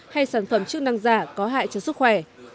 hay sản phẩm chức năng giả có hại cho sức khỏe